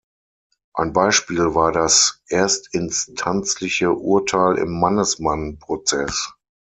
Ein Beispiel war das erstinstanzliche Urteil im Mannesmann-Prozess.